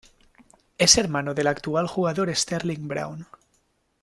Es hermano del actual jugador Sterling Brown.